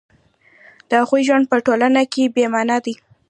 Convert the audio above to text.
د هغوی ژوند په ټولنه کې بې مانا دی